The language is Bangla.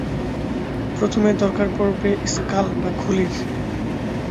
প্রথমে দরকার পড়বে স্কাল বা খুলির।